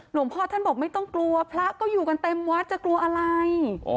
หลวงพ่อท่านบอกไม่ต้องกลัวพระก็อยู่กันเต็มวัดจะกลัวอะไร